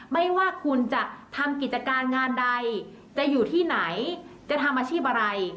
ไม่ว่าคุณจะทำกิจการงานใดจะอยู่ที่ไหนจะทำอาชีพอะไร